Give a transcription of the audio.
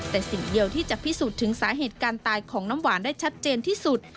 แต่สิ่งเดียวที่จะพิสูจน์ถึงสาเหตุการตายของน้ำหวานได้ชัดเจนที่สุด